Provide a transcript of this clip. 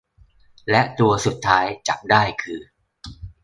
และตัวสุดท้ายจับได้คือ